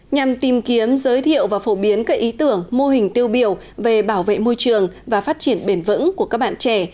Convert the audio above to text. nhằm tìm kiếm giới thiệu và phổ biến các ý tưởng mô hình tiêu biểu về bảo vệ môi trường và phát triển bền vững của các bạn trẻ